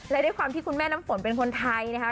และด้วยความที่คุณแม่น้ำฝนเป็นคนไทยนะคะ